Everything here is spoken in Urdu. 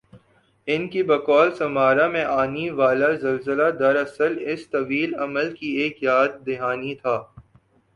ان کی بقول سمارا میں آنی والازلزلہ دراصل اس طویل عمل کی ایک یاد دہانی تھا